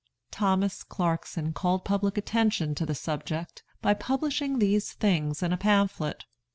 Thomas Clarkson called public attention to the subject by publishing these things in a pamphlet.